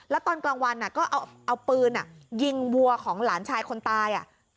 แล้วตอนกลางวันก็เอาปืนยิงวัวของหลานชายคนตาย